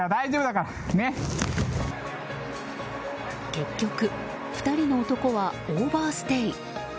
結局、２人の男はオーバーステイ。